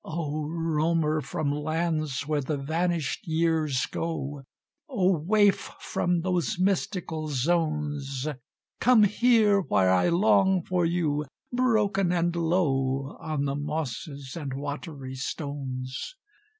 "Oh, roamer from lands where the vanished years go, Oh, waif from those mystical zones, Come here where I long for you, broken and low, On the mosses and watery stones!